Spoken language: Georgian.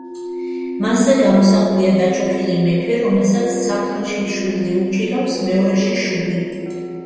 მასზე გამოსახულია დაჩოქილი მეფე, რომელსაც ცალ ხელში მშვილდი უჭირავს, მეორეში შუბი.